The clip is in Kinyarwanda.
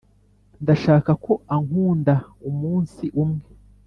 ndashaka ko ankunda umunsi umwe